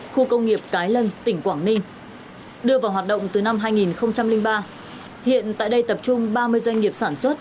khu công nghiệp cái lân tỉnh quảng ninh đưa vào hoạt động từ năm hai nghìn ba hiện tại đây tập trung ba mươi doanh nghiệp sản xuất